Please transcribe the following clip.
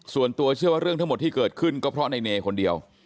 ส่วนตัวเชื่อว่าเรื่องทั้งหมดที่เกิดขึ้นก็เพราะในเนคนเดียว